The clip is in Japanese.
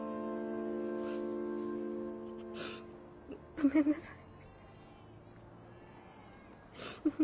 ごめんなさい。